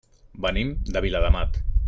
Venim de Viladamat.